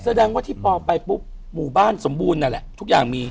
แสดงว่าที่ปลอมไปปุ๊บหมู่บ้านสมบูรณ์นั่นแหละทุกอย่างมี